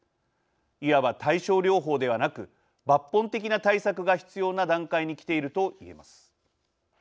いわば対症療法ではなく抜本的な対策が必要な段階にきていると言えます。